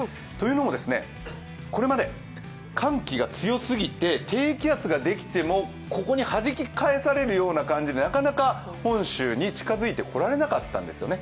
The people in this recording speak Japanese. というのも、これまで寒気が強すぎて低気圧ができてもここにはじき返されるような感じでなかなか本州に近づいてこられなかったんです。